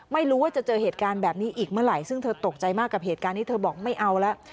ไม่รู้ว่าจะเจอเหตุการณ์แบบนี้อีกเมื่อไหร่ซึ่งเธอตกใจมากกับเหตุการณ์นี้เธอบอกไม่เอาแล้ว